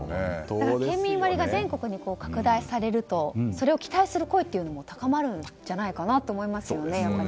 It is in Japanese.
県民割が全国に拡大されるとそれを期待する声も高まるんじゃないかなと思いますよね。